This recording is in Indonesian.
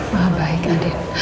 maha baik adin